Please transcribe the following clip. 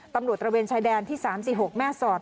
ตำรวจระเวนชายแดนที่๓๔๖แม่ศอด